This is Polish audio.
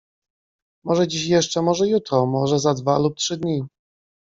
Może dziś jeszcze, może jutro, może za dwa lub trzy dni.